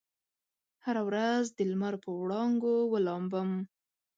هره ورځ دلمر په وړانګو ولامبم